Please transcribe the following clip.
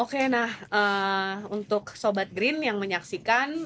oke nah untuk sobat green yang menyaksikan